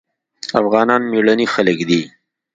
افغانان مېړني خلک دي.